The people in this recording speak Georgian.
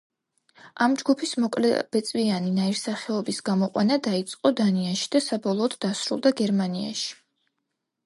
ამ ჯგუფის მოკლებეწვიანი ნაირსახეობის გამოყვანა დაიწყო დანიაში და საბოლოოდ დასრულდა გერმანიაში.